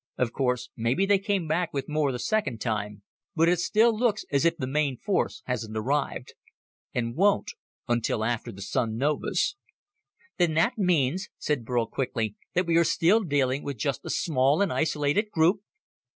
Of course, maybe they came back with more the second time, but it still looks as if the main force hasn't arrived. And won't, until after the Sun novas." "Then that means," said Burl quickly, "that we are still dealing with just a small and isolated group?"